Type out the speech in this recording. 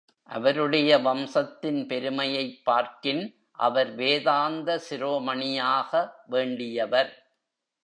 அவருடைய வம்சத்தின் பெருமையைப் பார்க்கின் அவர் வேதாந்த சிரோமணியாக வேண்டியவர்.